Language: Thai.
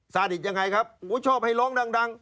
สนิทยังไงครับชอบให้ร้องดัง